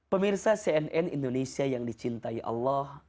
pemirsa cnn indonesia yang dicintai allah